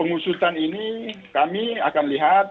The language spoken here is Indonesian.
pengusutan ini kami akan lihat